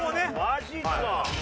マジか！